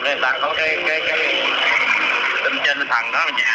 nên là có cái tình trình tình thần đó